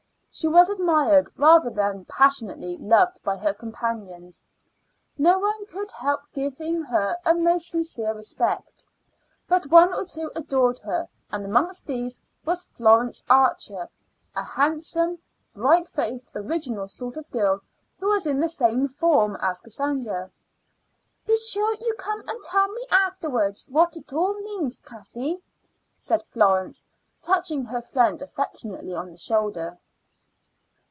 She was admired rather than passionately loved by her companions. No one could help giving her a most sincere respect. But one or two adored her, and amongst these was Florence Archer, a handsome, bright faced, original sort of girl who was in the same form as Cassandra. "Be sure you come and tell me afterwards what it all means, Cassie," said Florence, touching her friend affectionately on the shoulder.